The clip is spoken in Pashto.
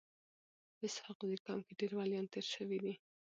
په اسحق زي قوم کي ډير وليان تیر سوي دي.